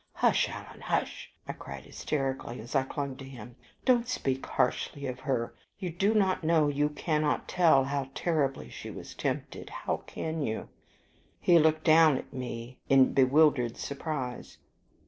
"Hush, Alan, hush!" I cried hysterically, as I clung to him; "don't speak harshly of her: you do not know, you cannot tell, how terribly she was tempted. How can you?" He looked down at me in bewildered surprise.